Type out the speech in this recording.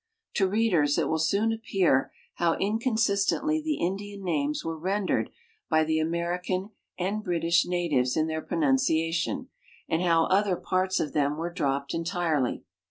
* To readers it will soon ap pear how inconsistently the Indian names were rendered by the American and British natives in their pronunciation and how often parts of them were dropped entirely.